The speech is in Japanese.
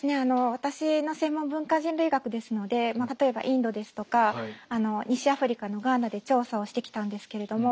私の専門文化人類学ですので例えばインドですとか西アフリカのガーナで調査をしてきたんですけれども。